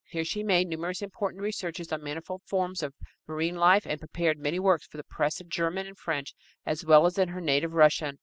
Here she made numerous important researches on manifold forms of marine life and prepared many works for the press in German and French, as well as in her native Russian.